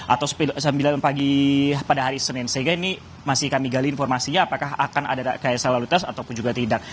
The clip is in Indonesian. atau sembilan pagi pada hari senin sehingga ini masih kami gali informasinya apakah akan ada rekayasa lalu lintas ataupun juga tidak